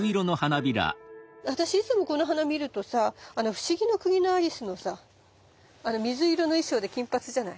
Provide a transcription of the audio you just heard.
私いつもこの花見るとさ「不思議の国のアリス」のさ水色の衣装で金髪じゃない？